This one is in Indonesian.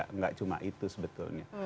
enggak cuma itu sebetulnya